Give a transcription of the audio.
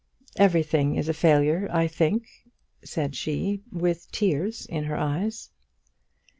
"Everything is a failure, I think," said she, with tears in her eyes.